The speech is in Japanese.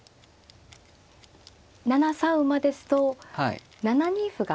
７三馬ですと７二歩が。